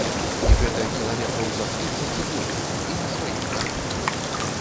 І гэта кіламетраў за трыццаць і болей, і на сваім гарбу.